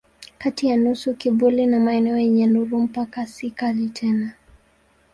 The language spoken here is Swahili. Kati ya nusu kivuli na maeneo yenye nuru mpaka si kali tena.